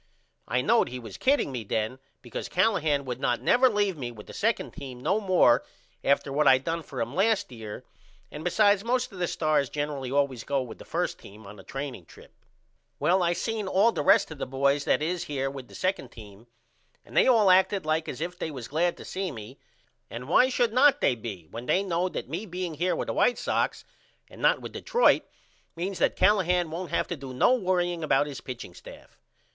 I knowed he was kidding me then because Callahan would not never leave me with the 2d team no more after what I done for him last year and besides most of the stars generally allways goes with the 1st team on the training trip. Well I seen all the rest of the boys that is here with the 2d team and they all acted like as if they was glad to see me and why should not they be when they know that me being here with the White Sox and not with Detroit means that Callahan won't have to do no worrying about his pitching staff?